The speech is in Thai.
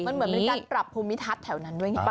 เหมือนมีการตลับภูมิทัศน์แถวนั้นด้วย